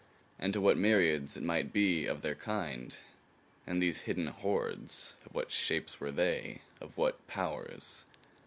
And to what myriads, it might be, of their kind? And these hidden hordes of what shapes were they? Of what powers?